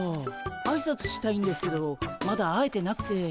あいさつしたいんですけどまだ会えてなくて。